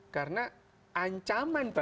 karena ancaman perubahan